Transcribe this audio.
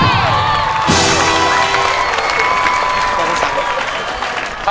ไม่ใช้ครับ